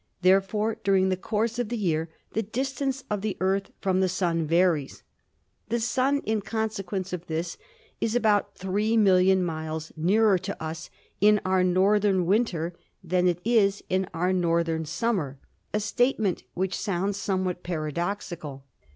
Therefore during the course of the year the distance of the Earth from the Sun varies. The Sun, in consequence of this, is about 3,000,000 miles nearer to us in our northern winter than it is in our northern summer, a statement which sounds somewhat paradoxical.